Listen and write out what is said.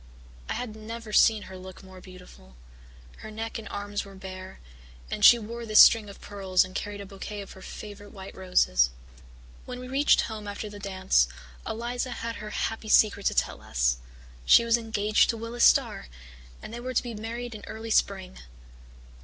I had never seen her look more beautiful her neck and arms were bare, and she wore this string of pearls and carried a bouquet of her favourite white roses. "When we reached home after the dance, Eliza had her happy secret to tell us. She was engaged to Willis Starr, and they were to be married in early spring.